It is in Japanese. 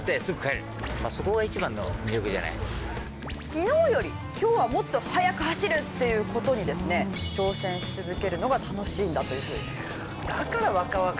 昨日より今日はもっと速く走るっていう事にですね挑戦し続けるのが楽しいんだというふうに。